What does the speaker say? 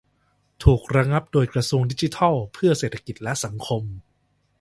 ถูกระงับโดยกระทรวงดิจิทัลเพื่อเศรษฐกิจและสังคม